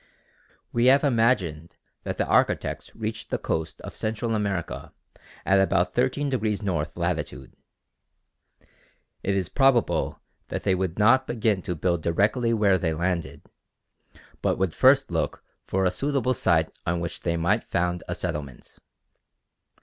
We have imagined that the architects reached the coast of Central America at about 13° north latitude. It is probable that they would not begin to build directly they landed, but would first look for a suitable site on which they might found a settlement.